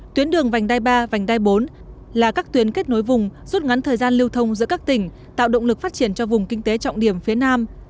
tuyến đường vành đai ba vành đai bốn là các tuyến kết nối vùng rút ngắn thời gian lưu thông giữa các tỉnh tạo động lực phát triển cho vùng kinh tế trọng điểm phía nam